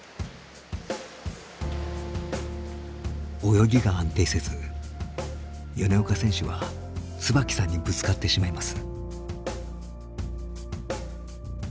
泳ぎが安定せず米岡選手は椿さんにぶつかってしまいます。